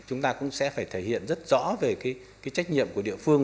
chúng ta cũng sẽ phải thể hiện rất rõ về cái trách nhiệm của địa phương